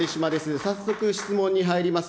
早速質問に入ります。